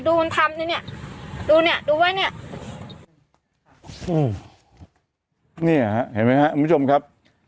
ดูเนี่ยดูไว้เนี่ยเนี่ยฮะเห็นไหมฮะคุณผู้ชมครับ